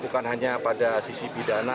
bukan hanya pada sisi pidana